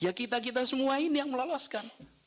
ya kita kita semua ini yang meloloskan